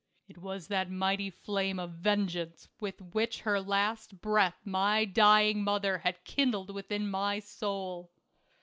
It was that mighty flame of vengeance which with her latest breath my dying mother had kindled within my soul.